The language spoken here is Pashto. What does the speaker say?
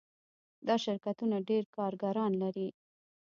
دا شرکتونه ډیر کارګران لري.